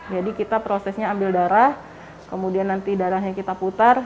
jadi kita prosesnya ambil darah kemudian nanti darahnya kita putar